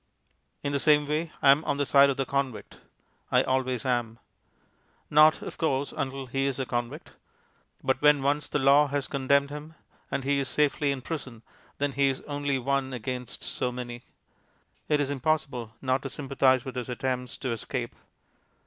In the same way I am on the side of the convict; I always am. Not, of course, until he is a convict. But when once the Law has condemned him, and he is safely in prison, then he is only one against so many. It is impossible not to sympathize with his attempts to escape.